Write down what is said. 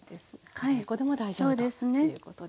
カレー粉でも大丈夫ということですね。